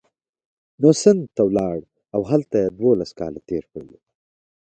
نو سند ته ولاړ او هلته یې دوولس کاله تېر کړل.